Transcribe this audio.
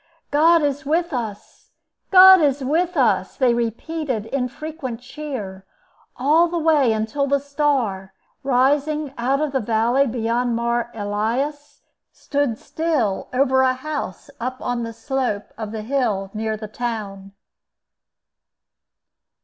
"God is with us! God is with us!" they repeated, in frequent cheer, all the way, until the star, rising out of the valley beyond Mar Elias, stood still over a house up on the slope of the hill near the town.